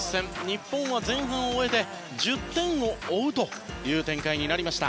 日本は前半を終えて１０点を追う展開になりました。